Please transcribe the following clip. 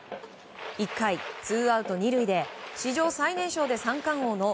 １回、ツーアウト２塁で史上最年少で三冠王の